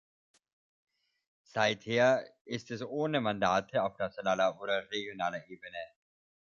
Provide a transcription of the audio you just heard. Seither ist es ohne Mandate auf nationaler oder regionaler Ebene.